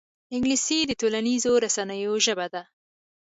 انګلیسي د ټولنیزو رسنیو ژبه ده